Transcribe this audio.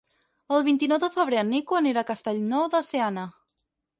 El vint-i-nou de febrer en Nico anirà a Castellnou de Seana.